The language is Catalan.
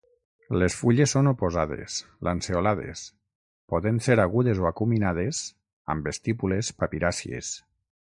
Les fulles són oposades, lanceolades, podent ser agudes o acuminades, amb estípules papiràcies.